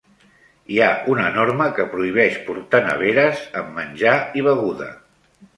Hi ha una norma que prohibeix portar neveres amb menjar i beguda.